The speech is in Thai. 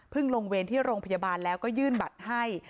ลงเวรที่โรงพยาบาลแล้วก็ยื่นบัตรให้